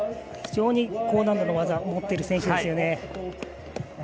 非常に高難度の技を持っている選手ですね。